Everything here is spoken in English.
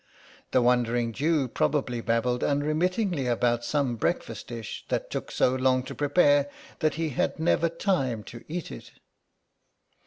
The Wandering Jew probably babbled unremittingly about some breakfast dish that took so long to prepare that he had never time to eat it."